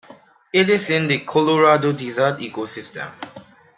It is in the Colorado Desert ecosystem.